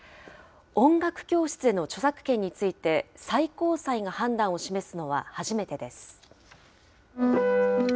音楽教室の著作権について、最高裁が判断を示すのは初めてです。